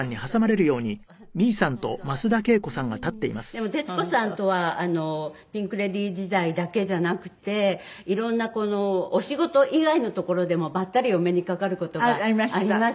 でも徹子さんとはピンク・レディー時代だけじゃなくていろんなこのお仕事以外の所でもばったりお目にかかる事がありますよね。